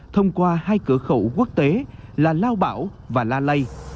thông qua hai cửa khẩu quốc tế là lao bảo và la lây